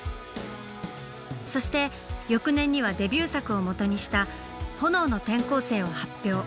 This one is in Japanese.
そして翌年にはデビュー作をもとにした「炎の転校生」を発表。